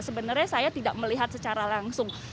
sebenarnya saya tidak melihat secara langsung